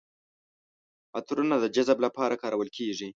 عطرونه د جذب لپاره کارول کیږي.